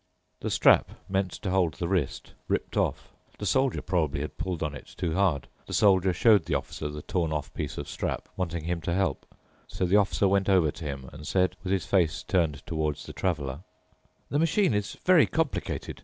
The strap meant to hold the wrist ripped off. The Soldier probably had pulled on it too hard. The Soldier showed the Officer the torn off piece of strap, wanting him to help. So the Officer went over to him and said, with his face turned towards the Traveler, "The machine is very complicated.